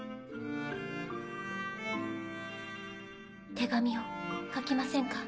手紙を書きませんか？